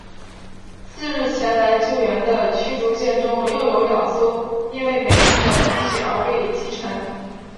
次日前来救援的驱逐舰中又有两艘因为美军的空袭而被击沉。